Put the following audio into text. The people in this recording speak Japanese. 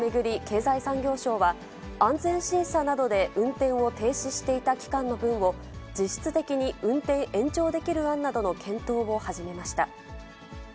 経済産業省は、安全審査などで運転を停止していた期間の分を、実質的に運転延長できる案などの検討を始めました。